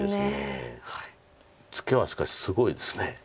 ツケはしかしすごいです。